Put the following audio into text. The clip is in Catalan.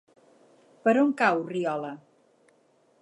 Per on cau Riola?